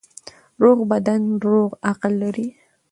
روغ بدن روغ عقل لري.